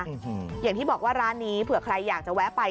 อย่างที่บอกว่าร้านนี้เผื่อใครอยากจะแวะไป